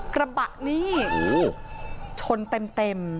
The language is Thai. กระบะนี่ชนเต็ม